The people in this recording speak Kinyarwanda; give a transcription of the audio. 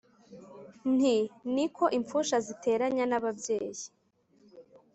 Nti: ni ko impfusha ziteranya n’ababyeyi.